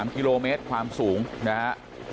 ๓กิโลเมตรความสูงนะฮะ